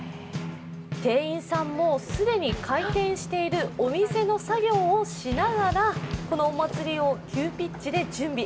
店員さんも既に開店しているお店の作業をしながらこのお祭りを急ピッチで準備。